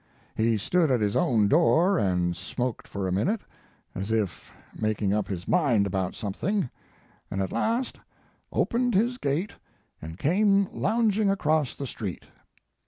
He stood at his own door and smoked for a minute, as if making up his mind about something, and, at last, opened his gate Xo8 Mark Twain and came lounging across the street.